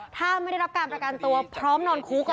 ถ้าไม่ได้รับการประกันตัวพร้อมนอนคุก